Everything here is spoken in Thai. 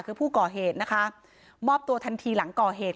คือผู้ก่อเหตุนะคะมอบตัวทันทีหลังก่อเหตุ